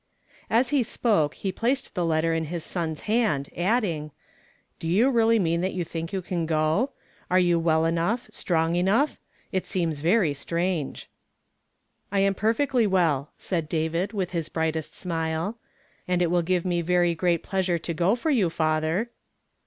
As he spoke, he placed the letter in his son's hand, adding, — "Do you really mean that you think you can go? Are you avcU enough, strong enough? It seems very strange !"" I am perfectly well," said David with his brightest smile ;" and it will give me very great pleasure to go for you, father."